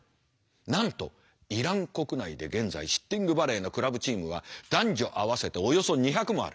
なんとイラン国内で現在シッティングバレーのクラブチームは男女合わせておよそ２００もある。